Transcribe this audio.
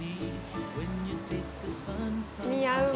似合うわ。